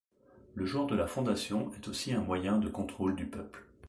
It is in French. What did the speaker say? Le jour de la fondation est aussi un moyen de contrôle du peuple.